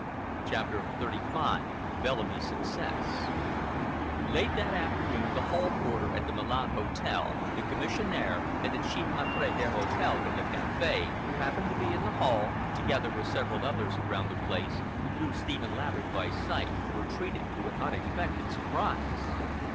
CHAPTER XXXV BELLAMY'S SUCCESS Late that afternoon the hall porter at the Milan Hotel, the commissionaire, and the chief maitre d'hotel from the Café, who happened to be in the hall, together with several others around the place who knew Stephen Laverick by sight, were treated to an unexpected surprise.